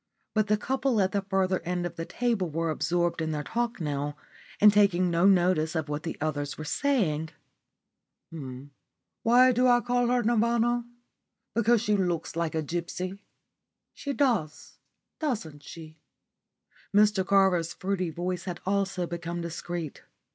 But the couple at the further end of the table were absorbed in their talk now and taking no notice of what the others were saying. "Why do I call her Nirvana? Because she looks like a gipsy. She does, doesn't she?" Mr Carver's fruity voice had also become discreet.